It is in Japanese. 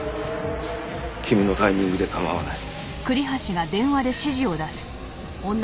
君のタイミングで構わない。